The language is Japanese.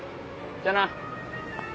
じゃあな。